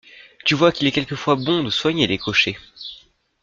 Tu vois qu’il est quelquefois bon de soigner les cochers.